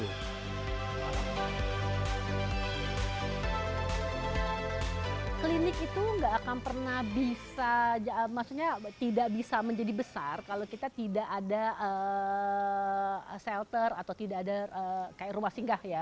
klinik itu tidak akan pernah bisa maksudnya tidak bisa menjadi besar kalau kita tidak ada shelter atau rumah singgah